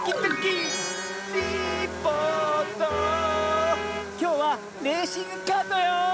きょうはレーシングカートよ！